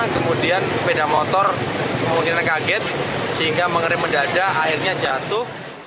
kemudian sepeda motor kemudian kaget sehingga mengerim mendadak airnya jatuh